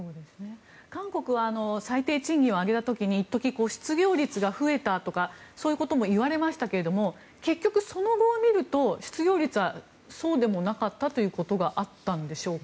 韓国は最低賃金を上げた時に一時、失業率が増えたとかそういうこともいわれましたが結局、その後を見ると失業率はそうでもなかったということがあったんでしょうか。